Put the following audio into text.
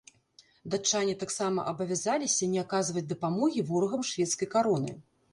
Датчане таксама абавязаліся не аказваць дапамогі ворагам шведскай кароны.